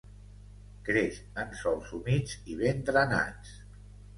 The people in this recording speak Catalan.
Creix en sòls humits i ben drenats.